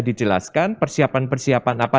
dijelaskan persiapan persiapan apa